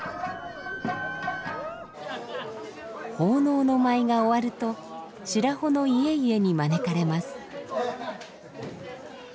奉納の舞が終わると白保の家々に招かれます。